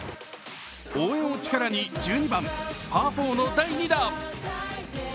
応援を力に１２番パー４の第２打。